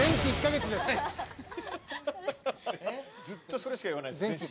ずっとそれしか言わない。